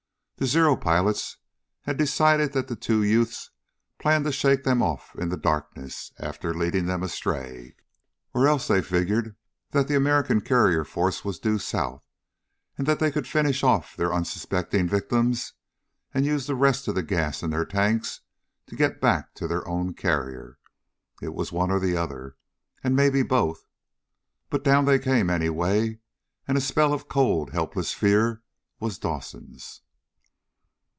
The Zero pilots had decided that the two youths planned to shake them off in the darkness, after leading them astray. Or else they figured that the American carrier force was due south, and that they could finish off their "unsuspecting victims" and use the rest of the gas in their tanks to get back to their own carrier. It was one or the other, and maybe both. But down they came, anyway, and a spell of cold, helpless fear was Dawson's.